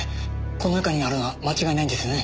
この中にあるのは間違いないんですよね？